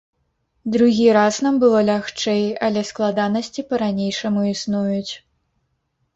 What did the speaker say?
Другі раз нам было лягчэй, але складанасці па-ранейшаму існуюць.